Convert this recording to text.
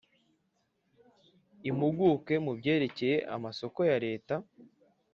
impuguke mu byerekeye amasoko ya Leta